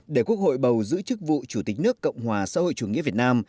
để quốc hội bầu giữ chức vụ chủ tịch nước cộng hòa xã hội chủ nghĩa việt nam